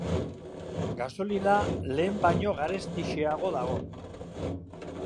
Gasolina lehen baino garestixeago dago.